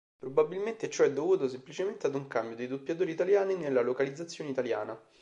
Probabilmente ciò è dovuto semplicemente ad un cambio dei doppiatori italiani nella localizzazione italiana.